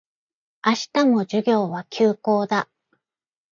明日も授業は休講だ